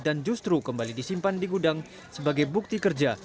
dan justru kembali disimpan di gudang sebagai bukti kerja